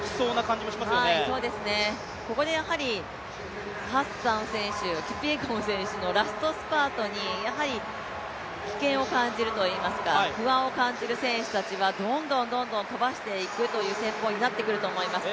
ここでやはりハッサン選手、キピエゴン選手のラストスパートに危険を感じるといいますか、不安を感じる選手たちはどんどん飛ばしていくという戦法になってくると思います。